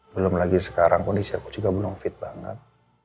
belum lagi sekarang kondisi aku juga belum fit banget